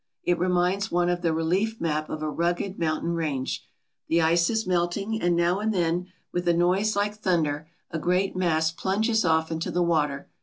It reminds one of the relief map of a rugged mountain range. The ice is melting and now and then, with a noise like thunder, a great mass plunges off into the water.